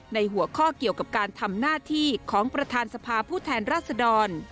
หัวข้อเกี่ยวกับการทำหน้าที่ของประธานสภาผู้แทนราชดร